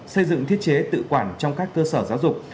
xây dựng thiết chế tự quản trong các cơ sở giáo dục